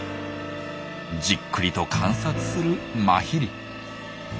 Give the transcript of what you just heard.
じっくりと観察するマヒリ。